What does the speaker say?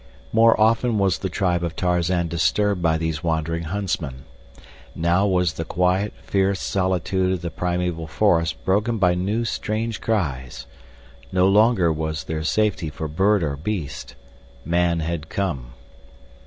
More often was the tribe of Tarzan disturbed by these wandering huntsmen. Now was the quiet, fierce solitude of the primeval forest broken by new, strange cries. No longer was there safety for bird or beast. Man had come.